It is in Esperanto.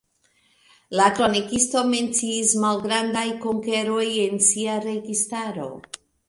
La kronikisto menciis malgrandaj konkero en sia registaro.